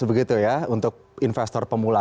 begitu ya untuk investor pemula